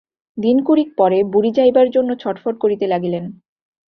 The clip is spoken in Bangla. দিন কুড়িক পরে বুড়ি যাইবার জন্য ছটফট করিতে লাগিল।